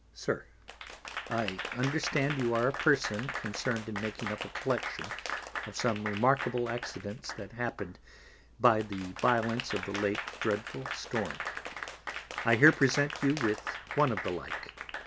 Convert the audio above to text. _ SIR, I understand you are a Person concerned in making up a Collection of some remarkable accidents that happened by the Violence of the late dreadful Storm. I here present you with one of the like.